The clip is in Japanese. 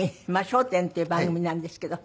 『笑点』っていう番組なんですけど。